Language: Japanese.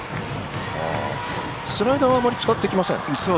スライダーはあまり使ってきません。